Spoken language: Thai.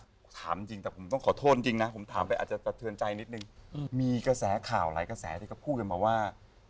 เขาพิฟุตอะไรต่างต่างเนี่ยเขาบอกว่าขาดอากาศหายใจ